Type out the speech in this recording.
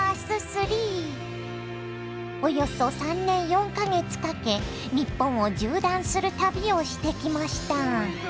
およそ３年４か月かけ日本を縦断する旅をしてきました。